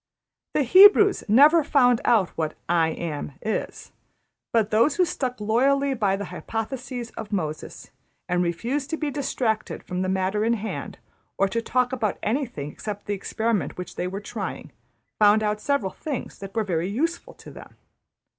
'' The Hebrews never found out what ``I Am'' is; but those who stuck loyally by the hypotheses of Moses, and refused to be distracted from the matter in hand, or to talk about anything except the experiment which they were trying, found out several things that were very useful to them.